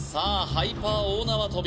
ハイパー大縄跳び